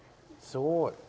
すごい。